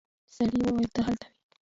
سړي وويل ته هلته وې.